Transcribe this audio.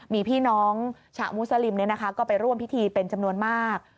มีพี่น้องชาวมุสลิมก็ไปร่วมพิธีเป็นจำนวนมาก